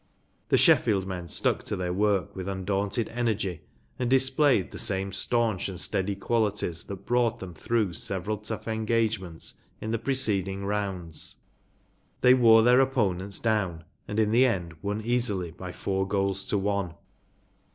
The Sheffield men stuck to their work with undaunted energy, and displayed the same staunch and steady qualities that brought them through several tough engagements in the preced¬ ing rounds. They wore their opponents down, and in the end won easily by four goals to one.